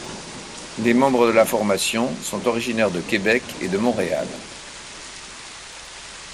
Les membres de la formation sont originaires de Québec et de Montréal.